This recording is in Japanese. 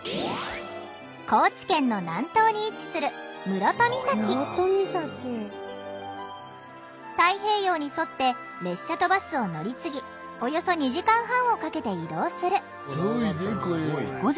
高知県の南東に位置する太平洋に沿って列車とバスを乗り継ぎおよそ２時間半をかけて移動する。